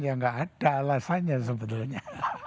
ya nggak ada alasannya sebetulnya